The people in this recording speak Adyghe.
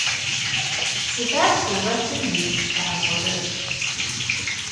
Сыда сурэтым ишъулъагъорэр?